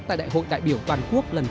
tại đại hội đại biểu toàn quốc lần thứ chín